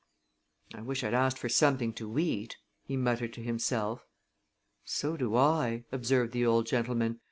"I wish I'd asked for something to eat," he muttered to himself. "So do I," observed the old gentleman.